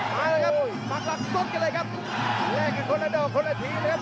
ตายแล้วครับสักหลักสดกันเลยครับแรกคือคนละดอกคนละทีนะครับ